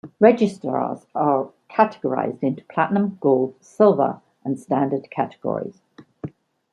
Registrars are categorized into Platinum, Gold, Silver and Standard categories.